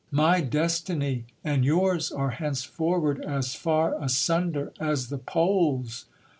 My destiny and yours are henceforward as far asunder as the poles.